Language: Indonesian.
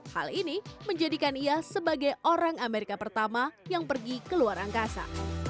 hal ini menjadikan ia sebagai orang amerika pertama yang pergi ke luar angkasa